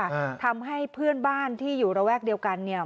ทำให้เพื่อนบ้านที่อยู่ระแวกเดียวกันเนี่ย